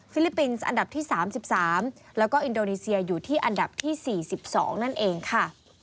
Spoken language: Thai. ลิปปินส์อันดับที่๓๓แล้วก็อินโดนีเซียอยู่ที่อันดับที่๔๒นั่นเองค่ะ